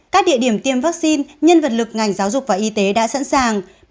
các địa điểm tiêm vaccine nhân vật lực ngành giáo dục và y tế đã sẵn sàng